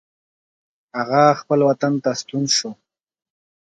هغه خپل وطن ته ستون شو.